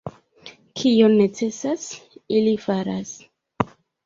Kion necesas, ili faras.